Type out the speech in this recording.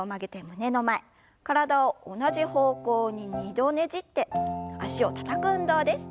体を同じ方向に２度ねじって脚をたたく運動です。